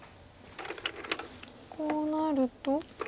こうなると。